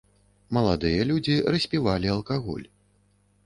Маладыя людзі распівалі алкаголь.